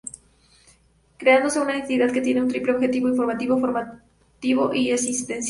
Creándose una entidad que tiene un triple objetivo, informativo, formativo y asistencial.